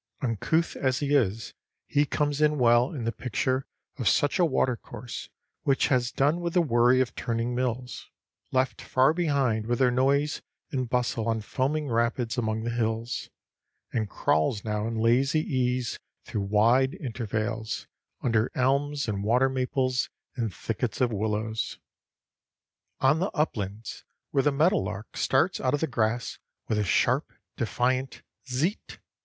Uncouth as he is, he comes in well in the picture of such a watercourse, which has done with the worry of turning mills, left far behind with their noise and bustle on foaming rapids among the hills, and crawls now in lazy ease through wide intervales, under elms and water maples and thickets of willows. On the uplands, where the meadow lark starts out of the grass with a sharp, defiant "zeet!"